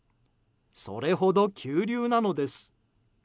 それほど急流なのです。